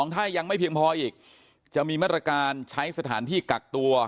ถ้ายังไม่เพียงพออีกจะมีมาตรการใช้สถานที่กักตัว